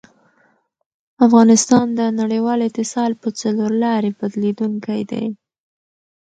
افغانستان د نړیوال اتصال په څلورلاري بدلېدونکی دی.